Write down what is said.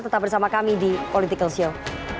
tetap bersama kami di political show